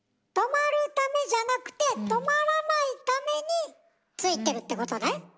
「停まる」ためじゃなくて「停まらない」ために付いてるってことね？